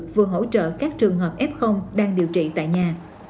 vừa hỗ trợ các trường hợp f đang điều trị tại nhà